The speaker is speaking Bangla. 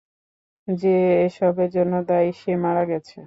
যে এসবের জন্য দায়ী সে মারা গেছে।